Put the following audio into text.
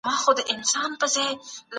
بې حرکته ناستېدل سمه لاره نه ده.